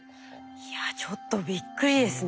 いやちょっとびっくりですね。